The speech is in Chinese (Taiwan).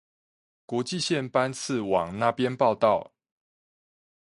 國際線班次往那邊報到